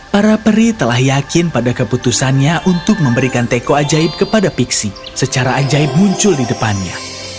para peri telah yakin pada keputusannya untuk memberikan teko ajaib kepada pixi secara ajaib muncul di depannya